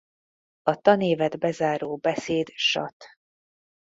A tanévet bezáró beszéd sat.